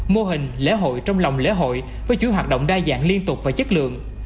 mô hình lễ hội trong lòng lễ hội với chủ hoạt động đa dạng liên tục và chất lượng